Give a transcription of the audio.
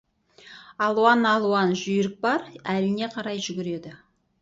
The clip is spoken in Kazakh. Алуан-алуан жүйрік бар, әліне қарай жүгіреді.